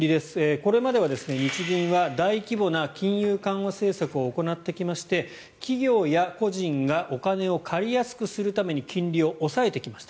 これまでは日銀は大規模な金融緩和政策を行ってきまして企業や個人がお金を借りやすくするために金利を抑えてきました。